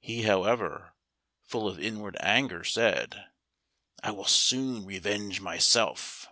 He, however, full of inward anger, said, "I will soon revenge myself."